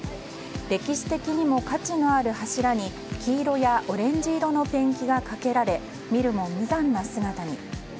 歴史的にも価値のある柱に黄色やオレンジ色のペンキがかけられ見るも無残な姿に。